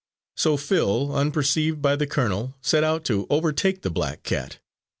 So Phil, unperceived by the colonel, set out to overtake the black cat.